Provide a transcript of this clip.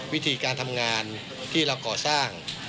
วิธีการทำงานที่เราก่อสร้าง